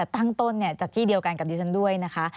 ตั้งต้นจากที่เดียวกันกับดิฉันด้วยนะคะ